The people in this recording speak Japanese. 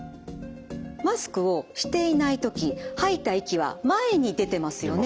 マスクをしていない時吐いた息は前に出てますよね。